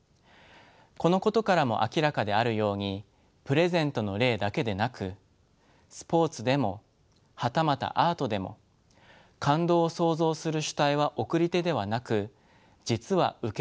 このことからも明らかであるようにプレゼントの例だけでなくスポーツでもはたまたアートでも感動を創造する主体は送り手ではなく実は受け手なのです。